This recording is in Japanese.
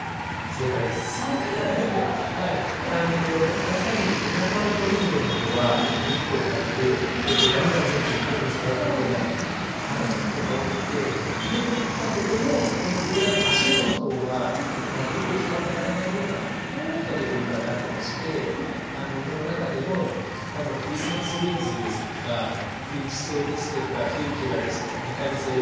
やっぱり日なたを好むような子は日光を浴びて結構がんがん元気にぐんぐん育っていくような子が多くてここもこのドウダンの足元の方はわりと日が当たらないような半日陰というかになってましてこの中でも例えばクリスマスローズですとかフウチソウですとかヒューケラですとかイカリソウ